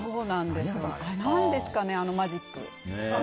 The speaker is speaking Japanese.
あれ、何ですかねあのマジック。